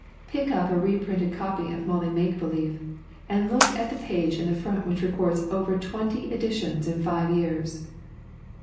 Pick up a reprinted copy of Molly Make Believe and look at the page in the front which records over twenty editions in five years!